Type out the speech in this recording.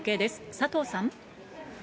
佐藤さん。